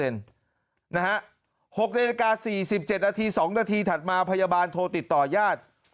๖นาฬิกา๔๗นาที๒นาทีถัดมาพยาบาลโทรติดต่อญาติ